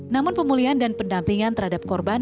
namun pemulihan dan pendampingan terhadap korban